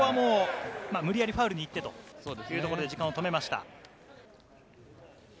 無理やりファウルに行ってというところで時間を止めました。